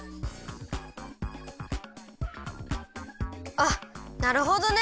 あっなるほどね。